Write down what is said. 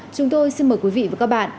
chúng tôi xin mời quý vị và các bạn